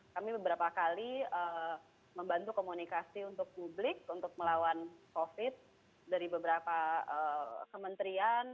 kami beberapa kali membantu komunikasi untuk publik untuk melawan covid dari beberapa kementerian